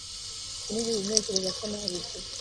Sinigeze ntekereza ko nabivuga